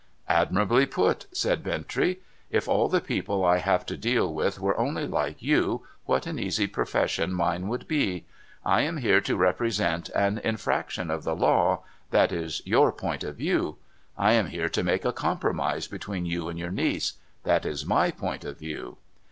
'Admirably put!' said Bintrey. 'If all the people I have to deal with were only like you, what an easy profession mine would be ! I am here to represent an infraction of the law — that is your point of view. I am here to make a compromise between you and your niece — that is my point of view.'